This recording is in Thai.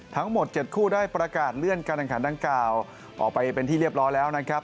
ทั้งหมด๗คู่ได้ประกาศเลื่อนการแข่งขันดังกล่าวออกไปเป็นที่เรียบร้อยแล้วนะครับ